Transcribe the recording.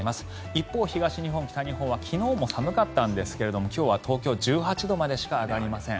一方、東日本、北日本は昨日も寒かったんですが今日は東京１８度までしか上がりません。